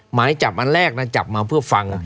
หมายจับอันแรกนะจับมาเพื่อฟัง